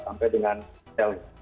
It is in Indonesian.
sampai dengan selesai